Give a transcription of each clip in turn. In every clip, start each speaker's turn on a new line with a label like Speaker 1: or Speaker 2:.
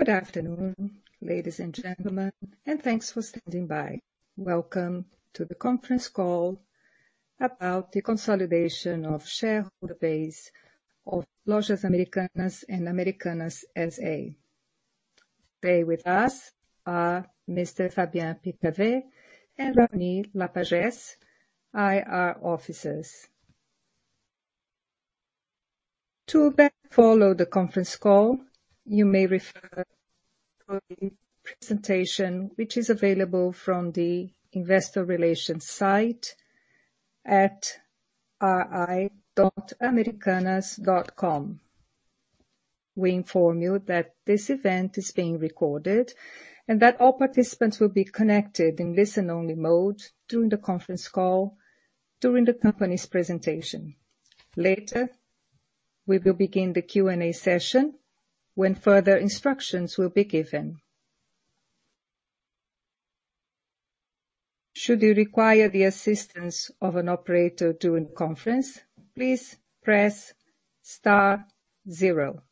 Speaker 1: Good afternoon, ladies and gentlemen, and thanks for standing by. Welcome to the conference call about the consolidation of shareholder base of Lojas Americanas and Americanas S.A. Today with us are Mr. Fábio Abrate and Raoni Lapagesse, IR officers. To better follow the conference call, you may refer to the presentation which is available from the Investor Relations site at ri.americanas.com. We inform you that this event is being recorded and that all participants will be connected in listen-only mode during the conference call during the company's presentation. Later, we will begin the Q&A session when further instructions will be given. Should you require the assistance of an operator during the conference, please press star zero.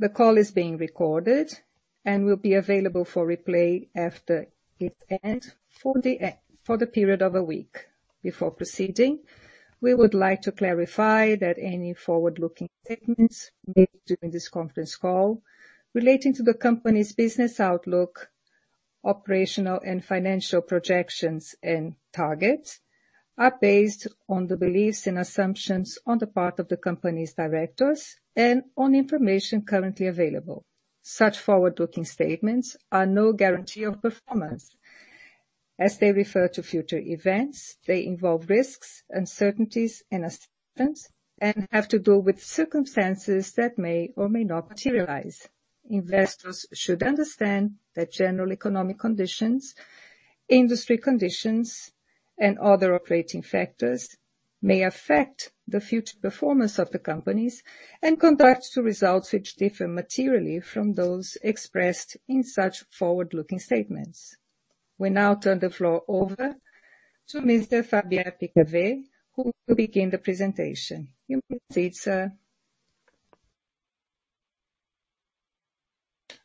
Speaker 1: The call is being recorded and will be available for replay after it ends for the period of a week. Before proceeding, we would like to clarify that any forward-looking statements made during this conference call relating to the company's business outlook, operational and financial projections and targets are based on the beliefs and assumptions on the part of the company's directors and on information currently available. Such forward-looking statements are no guarantee of performance. As they refer to future events, they involve risks, uncertainties, and assumptions and have to do with circumstances that may or may not materialize. Investors should understand that general economic conditions, industry conditions, and other operating factors may affect the future performance of the companies and could lead to results which differ materially from those expressed in such forward-looking statements. We now turn the floor over to Mr. Fábio Abrate, who will begin the presentation. You may proceed, sir.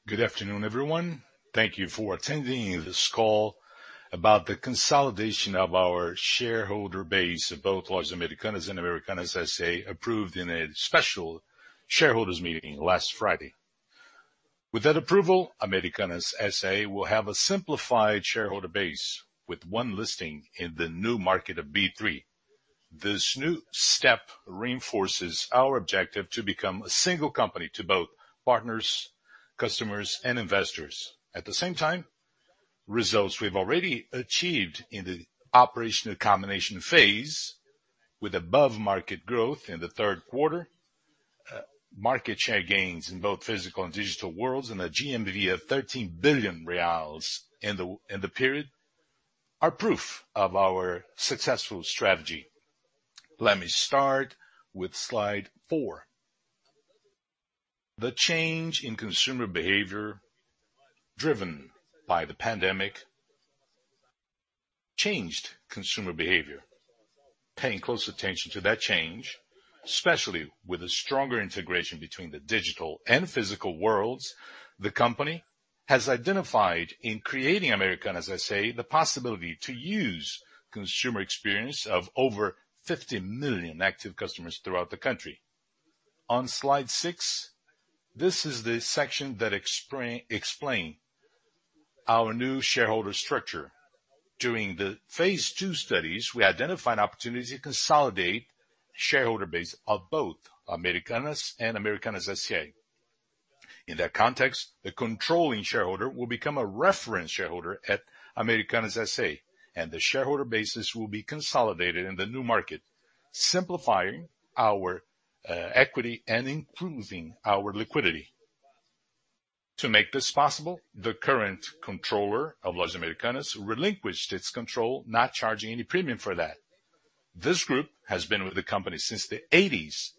Speaker 2: Good afternoon, everyone. Thank you for attending this call about the consolidation of our shareholder base of both Lojas Americanas and Americanas S.A. approved in a special shareholders meeting last Friday. With that approval, Americanas S.A. will have a simplified shareholder base with one listing in the Novo Mercado of B3. This new step reinforces our objective to become a single company to both partners, customers, and investors. At the same time, results we've already achieved in the operational combination phase with above-market growth in the third quarter, market share gains in both physical and digital worlds, and a GMV of 13 billion reais in the period are proof of our successful strategy. Let me start with slide four. The change in consumer behavior driven by the pandemic changed consumer behavior. Paying close attention to that change, especially with a stronger integration between the digital and physical worlds, the company has identified in creating Americanas S.A. the possibility to use consumer experience of over 50 million active customers throughout the country. On slide six, this is the section that explain our new shareholder structure. During the phase two studies, we identified opportunities to consolidate shareholder base of both Americanas and Americanas S.A. In that context, the controlling shareholder will become a reference shareholder at Americanas S.A., and the shareholder bases will be consolidated in the new market, simplifying our equity and improving our liquidity. To make this possible, the current controller of Lojas Americanas relinquished its control, not charging any premium for that. This group has been with the company since the 1980s,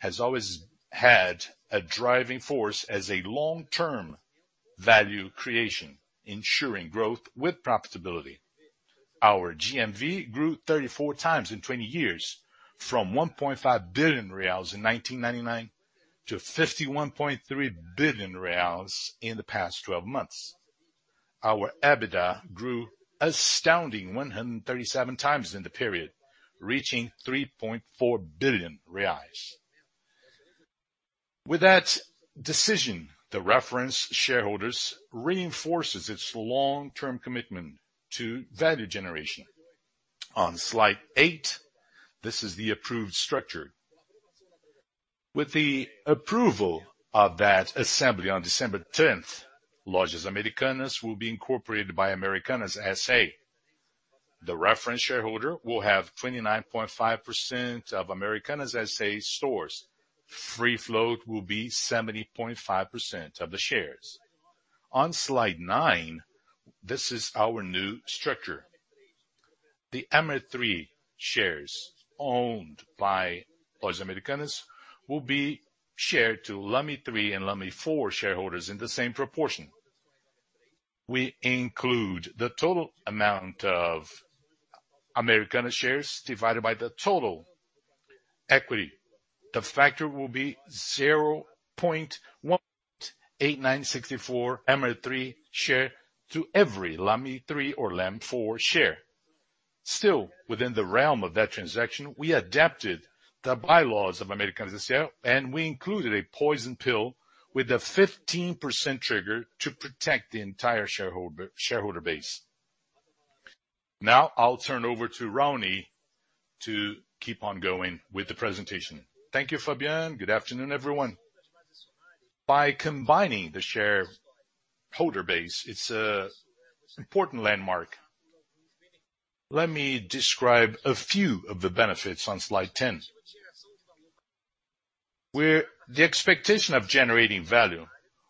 Speaker 2: has always had a driving force as a long-term value creation, ensuring growth with profitability. Our GMV grew 34x in 20 years from 1.5 billion reais in 1999 to 51.3 billion reais in the past 12 months. Our EBITDA grew astounding 137x in the period, reaching 3.4 billion reais. With that decision, the reference shareholders reinforces its long-term commitment to value generation. On slide eight, this is the approved structure. With the approval of that assembly on December 10th, Lojas Americanas will be incorporated by Americanas S.A. The reference shareholder will have 29.5% of Americanas S.A. shares. Free float will be 70.5% of the shares. On slide nine, this is our new structure. The AMER3 shares owned by Lojas Americanas will be shared to LAME3 and LAME4 shareholders in the same proportion. We include the total amount of Americanas shares divided by the total equity. The factor will be 0.18964 AMER3 share to every LAME3 or LAME4 share. Still, within the realm of that transaction, we adapted the bylaws of Americanas S.A., and we included a poison pill with a 15% trigger to protect the entire shareholder base. Now, I'll turn over to Raoni to keep on going with the presentation.
Speaker 3: Thank you, Fábio. Good afternoon, everyone. By combining the shareholder base, it's a important landmark. Let me describe a few of the benefits on slide 10, where the expectation of generating value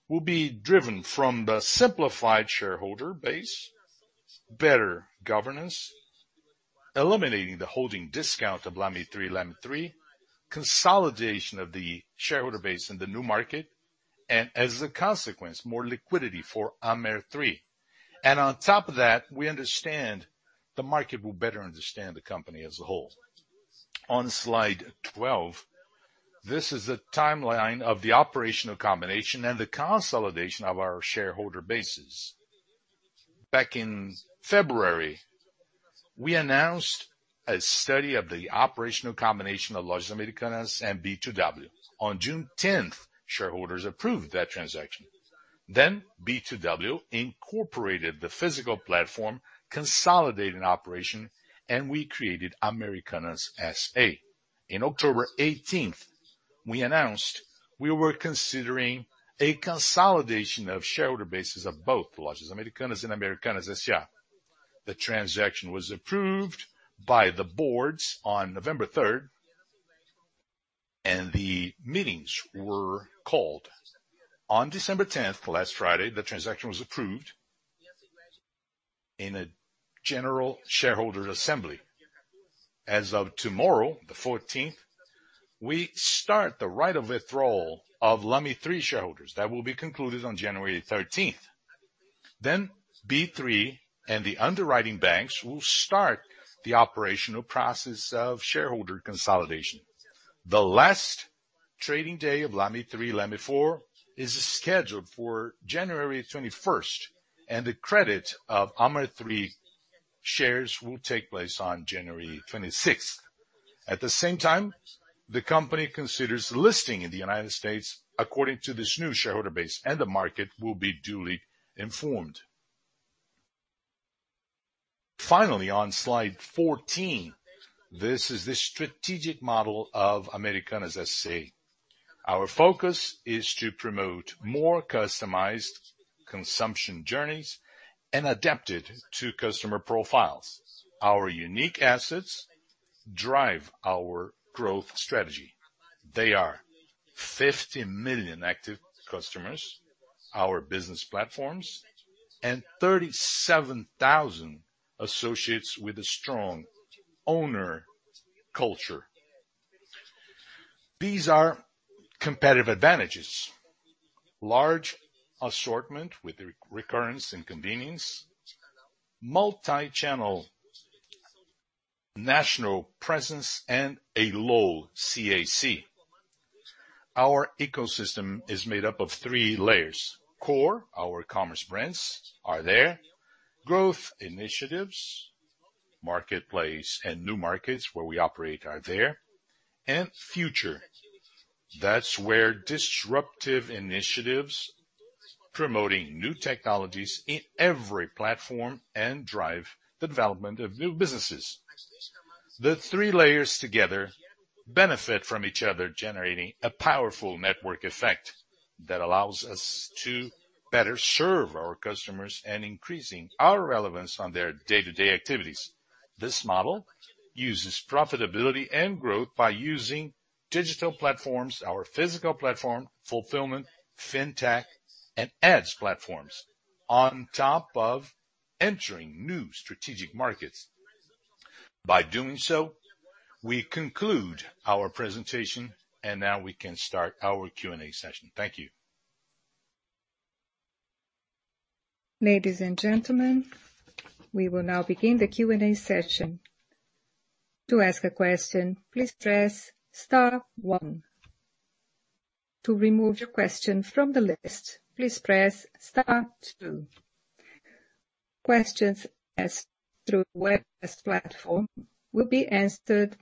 Speaker 3: will be driven from the simplified shareholder base, better governance, eliminating the holding discount of LAME3, LAME4, consolidation of the shareholder base in the new market, and as a consequence, more liquidity for AMER3. On top of that, we understand the market will better understand the company as a whole. On slide 12, this is the timeline of the operational combination and the consolidation of our shareholder bases. Back in February, we announced a study of the operational combination of Lojas Americanas and B2W. On June 10th, shareholders approved that transaction. B2W incorporated the physical platform, consolidating operations, and we created Americanas S.A. In October 18th, we announced we were considering a consolidation of shareholder bases of both Lojas Americanas and Americanas S.A. The transaction was approved by the boards on November 3rd, and the meetings were called. On December 10th, last Friday, the transaction was approved in a general shareholder assembly. As of tomorrow, the 14th, we start the right of withdrawal of LAME3 shareholders. That will be concluded on January 13th. B3 and the underwriting banks will start the operational process of shareholder consolidation. The last trading day of LAME3, LAME4 is scheduled for January 21st, and the credit of AMER3 shares will take place on January 26th. At the same time, the company considers listing in the United States according to this new shareholder base, and the market will be duly informed. Finally, on slide 14, this is the strategic model of Americanas S.A. Our focus is to promote more customized consumption journeys and adapt it to customer profiles. Our unique assets drive our growth strategy. They are 50 million active customers, our business platforms, and 37,000 associates with a strong owner culture. These are competitive advantages, large assortment with recurrence and convenience, multichannel national presence and a low CAC. Our ecosystem is made up of three layers. Core, our commerce brands are there. Growth initiatives, marketplace and new markets where we operate are there. Future, that's where disruptive initiatives promoting new technologies in every platform and drive the development of new businesses. The three layers together benefit from each other, generating a powerful network effect that allows us to better serve our customers and increasing our relevance on their day-to-day activities. This model uses profitability and growth by using digital platforms, our physical platform, fulfillment, fintech and ads platforms on top of entering new strategic markets. By doing so, we conclude our presentation and now we can start our Q&A session. Thank you.
Speaker 1: Ladies and gentlemen, we will now begin the Q&A session. To ask a question please press star one. To remove the question from the list press star two. Questions from the webcast platform will be answered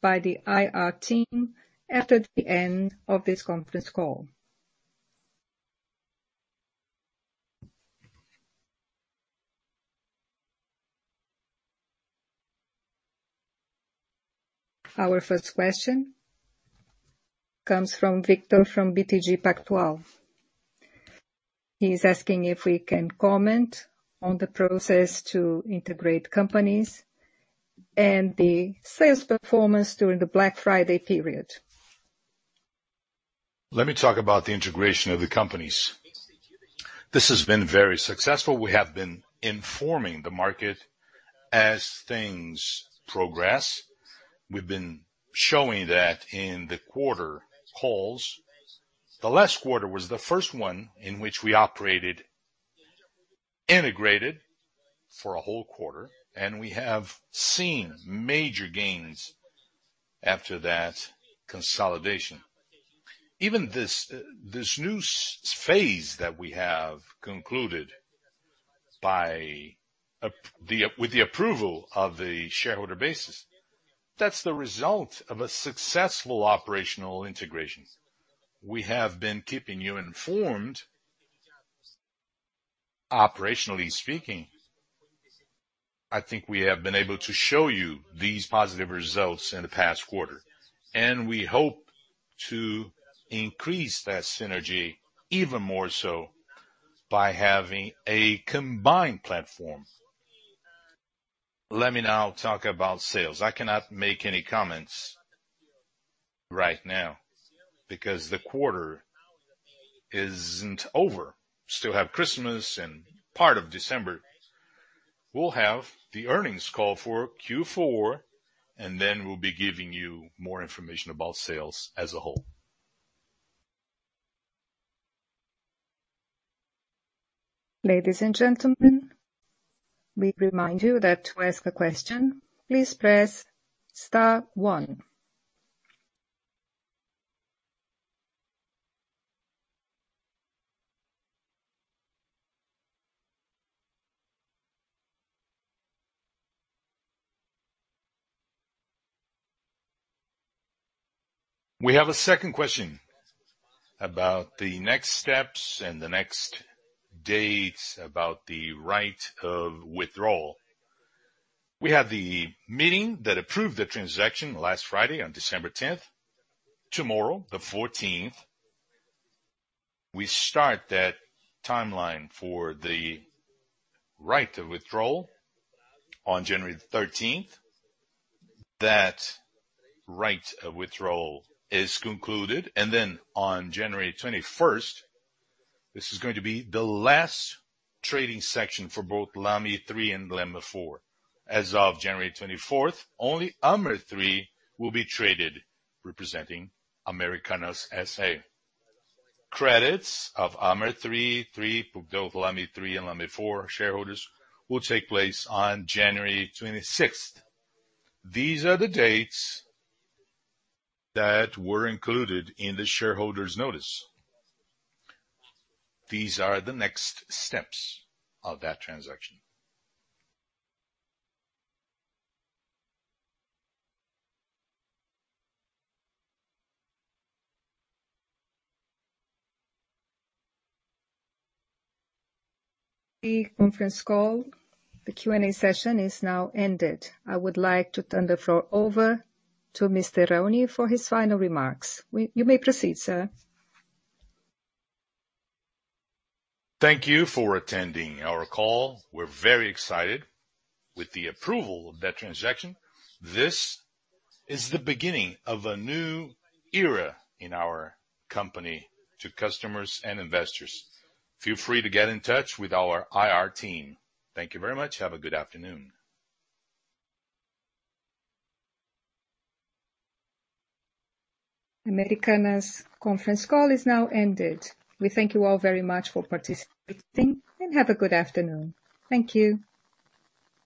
Speaker 1: by the IR team at the end of this conference call. Our first question comes from Victor, from BTG Pactual. He's asking if we can comment on the process to integrate companies and the sales performance during the Black Friday period.
Speaker 2: Let me talk about the integration of the companies. This has been very successful. We have been informing the market as things progress. We've been showing that in the quarter calls. The last quarter was the first one in which we operated integrated for a whole quarter, and we have seen major gains after that consolidation. Even this new phase that we have concluded, with the approval of the shareholder base, that's the result of a successful operational integration. We have been keeping you informed. Operationally speaking, I think we have been able to show you these positive results in the past quarter, and we hope to increase that synergy even more so by having a combined platform. Let me now talk about sales. I cannot make any comments right now because the quarter isn't over. Still have Christmas and part of December. We'll have the earnings call for Q4, and then we'll be giving you more information about sales as a whole.
Speaker 1: Ladies and gentlemen, we remind you that to ask a question, please press star one.
Speaker 3: We have a second question about the next steps and the next dates about the right of withdrawal. We had the meeting that approved the transaction last Friday on December 10th. Tomorrow, the 14th, we start that timeline for the right of withdrawal. On January 13th, that right of withdrawal is concluded. On January 21st, this is going to be the last trading session for both LAME3 and LAME4. As of January 24th, only AMER3 will be traded, representing Americanas S.A. Credits of AMER3 to both LAME3 and LAME4 shareholders will take place on January 26th. These are the dates that were included in the shareholder's notice. These are the next steps of that transaction.
Speaker 1: The conference call. The Q&A session is now ended. I would like to turn the floor over to Mr. Raoni for his final remarks. You may proceed, sir.
Speaker 3: Thank you for attending our call. We're very excited with the approval of that transaction. This is the beginning of a new era in our company to customers and investors. Feel free to get in touch with our IR team. Thank you very much. Have a good afternoon.
Speaker 1: Americanas conference call is now ended. We thank you all very much for participating, and have a good afternoon. Thank you.